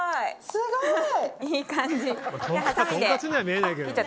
すごい！いい感じ。